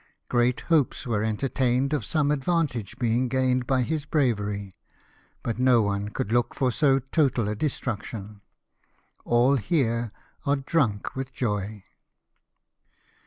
Great hopes were entertained of some advantages being gained by his bravery, but no one could look for so total a destruction. All here are drunk with joy."